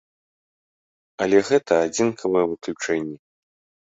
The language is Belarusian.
Але гэта адзінкавыя выключэнні.